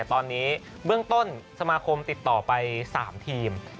ตอนนี้เบื้องต้นสมาคมติดต่อไป๓ทีม